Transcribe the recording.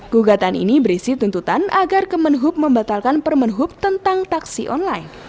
gugatan ini berisi tuntutan agar kemenhub membatalkan permen hub tentang taksi online